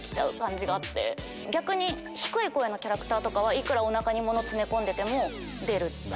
逆に低い声のキャラクターはいくらおなかにもの詰め込んでても出る。